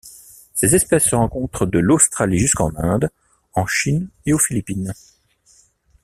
Ces espèces se rencontrent de l'Australie jusqu'en Inde, en Chine et aux Philippines.